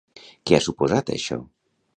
Què ha suposat això?